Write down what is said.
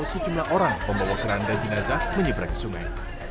sejumlah orang pembawa keranda jenazah menyeberangi sungai